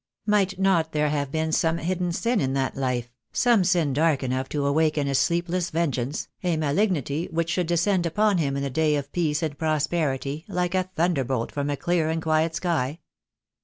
Might not there have been some hidden sin in that life, some sin dark enough to awaken a sleepless vengeance, a malignity which should descend upon him in the day of peace and prosperity like a thunderbolt from a clear and quiet sky?